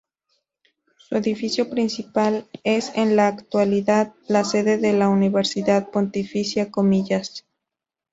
Su edificio principal es en la actualidad la sede de la Universidad Pontificia Comillas.